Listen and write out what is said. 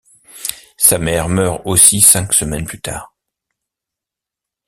Sa mère meurt aussi cinq semaines plus tard.